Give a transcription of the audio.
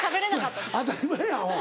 当たり前やアホ。